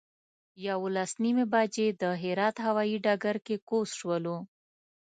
یولس نیمې بجې د هرات هوایي ډګر کې کوز شولو.